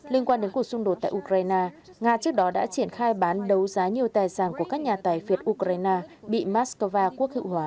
liên quan đến cuộc xung đột tại ukraine nga trước đó đã triển khai bán đấu giá nhiều tài sản của các nhà tài phiệt ukraine bị moscow quốc hữu hóa